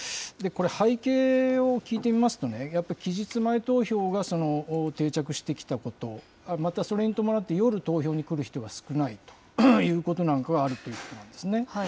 これ、背景を聞いてみますとね、やっぱり期日前投票が定着してきたこと、またそれに伴って夜、投票に来る人が少ないということなんかがあるということなんですね。